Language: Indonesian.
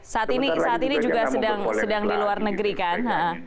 saat ini juga sedang di luar negeri kan